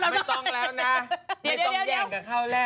ไม่ต้องแล้วนะไม่ต้องแย่งกับข้าวแรก